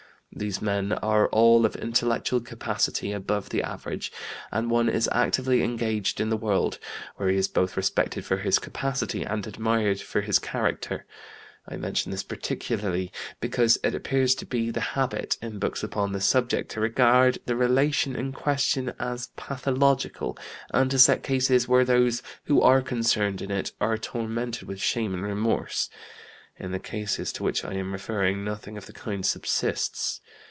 These men are all of intellectual capacity above the average; and one is actively engaged in the world, where he is both respected for his capacity and admired for his character. I mention this particularly, because it appears to be the habit, in books upon this subject, to regard the relation in question as pathological, and to select cases where those who are concerned in it are tormented with shame and remorse. In the cases to which I am referring nothing of the kind subsists.